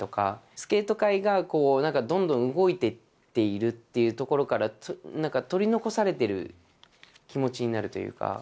スケート界がなんかどんどん動いていっているというところから、なんか取り残されてる気持ちになるというか。